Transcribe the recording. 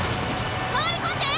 回り込んで！